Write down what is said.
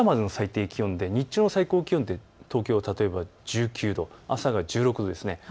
日中の最高気温、東京、例えば１９度、朝が１６度です。